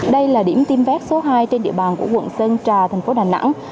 đây là điểm tiêm vét số hai trên địa bàn của quận sơn trà tp hcm